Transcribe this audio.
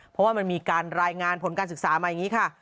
เพราะว่ามันมีการรายงานผลการศึกษามาอย่างนี้ค่ะ